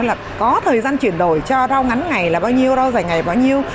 là có thời gian chuyển đổi cho rau ngắn ngày là bao nhiêu rau dày ngày là bao nhiêu